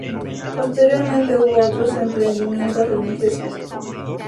Posteriormente hubo otros emprendimientos religiosos.